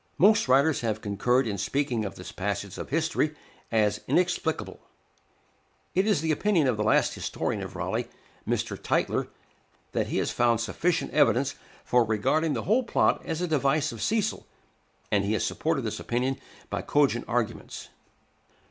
Most writers have concurred in speaking of this passage of history as inexplicable; it is the opinion of the last historian of Raleigh, Mr. Tytler, that he has found sufficient evidence for regarding the whole plot as a device of Cecil, and he has supported this opinion by cogent arguments.